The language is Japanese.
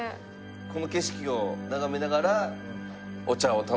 この景色を眺めながらお茶を楽しめるという。